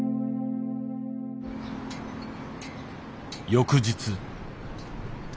翌日。